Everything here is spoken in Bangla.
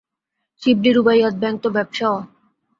শিবলী রুবাইয়াত ব্যাংক তো ব্যবসাও।